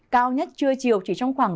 cao nhất trưa chiều chỉ trong khoảng